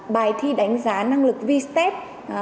bài thi đánh giá năng lực v step